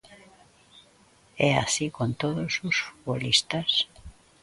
E así con todos os futbolistas.